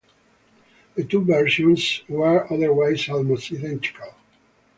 The two versions were otherwise almost identical.